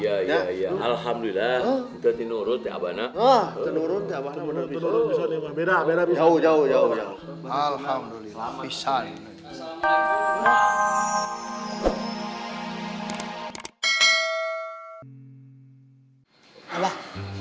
ya ya ya alhamdulillah kita di nurut ya bana ah nurutnya bener bener jauh jauh alhamdulillah